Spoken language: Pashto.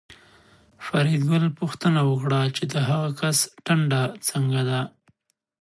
فریدګل پوښتنه وکړه چې د هغه کس ټنډه څنګه ده